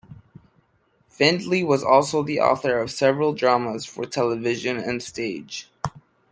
Findley was also the author of several dramas for television and stage.